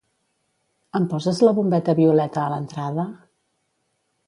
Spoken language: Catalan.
Em poses la bombeta violeta a l'entrada?